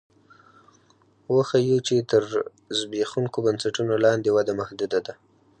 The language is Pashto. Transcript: وښیو چې تر زبېښونکو بنسټونو لاندې وده محدوده ده